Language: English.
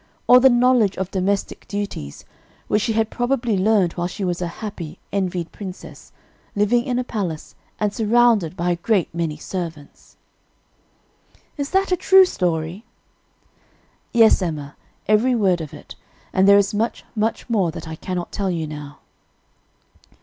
or the knowledge of domestic duties, which she had probably learned while she was a happy, envied princess, living in a palace and surrounded by a great many servants!" "Is that a true story?" "Yes, Emma, every word of it; and there is much, much more that I cannot tell you now."